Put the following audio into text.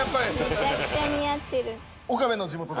めちゃくちゃ似合ってる。